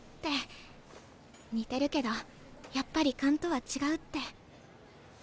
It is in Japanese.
「似てるけどやっぱり勘とは違う」って。